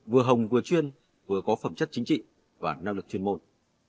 vừa hồng vừa chuyên vừa có phẩm chất chính trị và năng lực chuyên môn